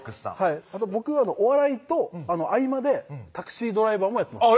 あと僕お笑いと合間でタクシードライバーもやってます